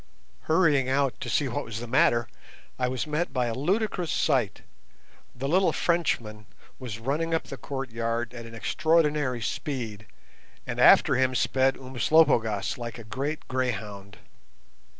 Hurrying out to see what was the matter, I was met by a ludicrous sight. The little Frenchman was running up the courtyard at an extraordinary speed, and after him sped Umslopogaas like a great greyhound.